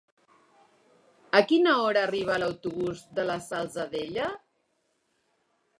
A quina hora arriba l'autobús de la Salzadella?